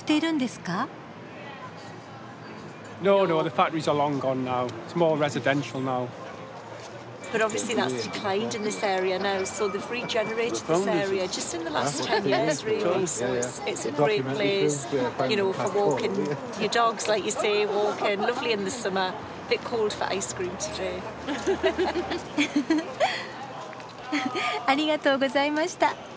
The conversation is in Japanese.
うふふふありがとうございました。